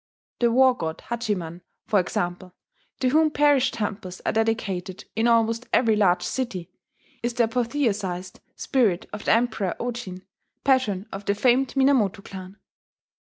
The war god Hachiman, for example, to whom parish temples are dedicated in almost every large city, is the apotheosized spirit of the Emperor Ojin, patron of the famed Minamoto clan.